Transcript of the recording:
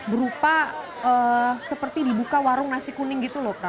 berupa seperti dibuka warung nasi kuning gitu loh